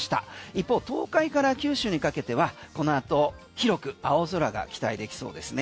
一方東海から九州にかけてはこの後広く青空が期待できそうですね。